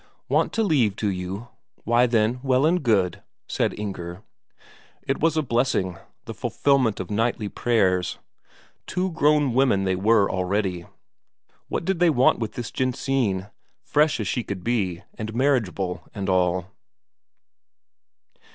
"Want to leave, do you? Why, then, well and good," said Inger. It was a blessing, the fulfilment of nightly prayers. Two grown women they were already, what did they want with this Jensine, fresh as could be and marriageable and all?